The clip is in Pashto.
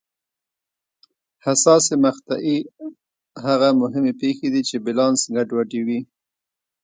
حساسې مقطعې هغه مهمې پېښې دي چې بیلانس ګډوډوي.